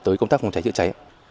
tới công tác phòng cháy chữa cháy